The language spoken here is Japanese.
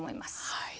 はい。